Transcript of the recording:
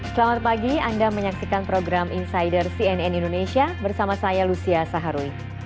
selamat pagi anda menyaksikan program insider cnn indonesia bersama saya lucia saharuy